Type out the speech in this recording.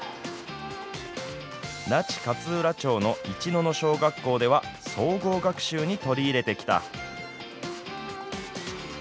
那智勝浦町の市野々小学校では、総合学習に取り入れてきた。